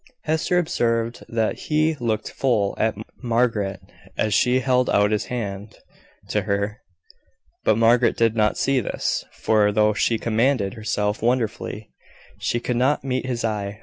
Hester observed that he looked full at Margaret as he held out his hand to her; but Margaret did not see this, for, though she commanded herself wonderfully, she could not meet his eye.